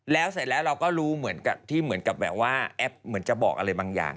แล้วเสร็จแล้วเราก็รู้เหมือนกับที่เหมือนกับแบบว่าแอปเหมือนจะบอกอะไรบางอย่าง